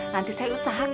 nanti saya usahakan